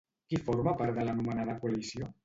Qui forma part de l'anomenada coalició?